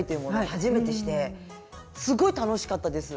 初めてしてすごい楽しかったです。